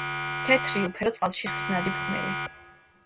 თეთრი, უფერო, წყალში ხსნადი ფხვნილი.